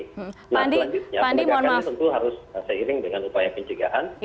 nah selanjutnya penegakan tentu harus seiring dengan upaya pencegahan